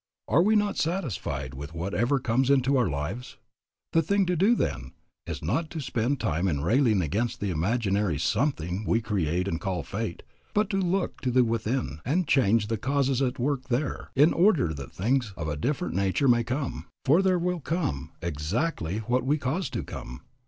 Are we not satisfied with whatever comes into our lives? The thing to do, then, is not to spend time in railing against the imaginary something we create and call fate, but to look to the within, and change the causes at work there, in order that things of a different nature may come, for there will come exactly what we cause to come.